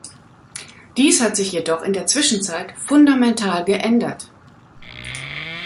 Dies hat sich jedoch in der Zwischenzeit fundamental geändert.